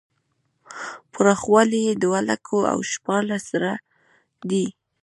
پراخوالی یې دوه لکه او شپاړس زره دی.